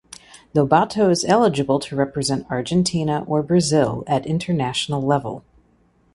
Lobato is eligible to represent Argentina or Brazil at international level.